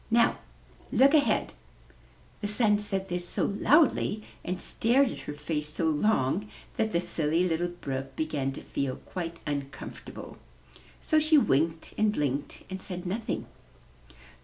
Now look ahead!'' The Sun said this so loudly and stared at her face so long that the Silly Little Brook began to feel quite uncomfortable; so she winked and blinked, and said nothing.